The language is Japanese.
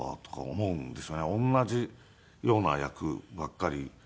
同じような役ばっかり。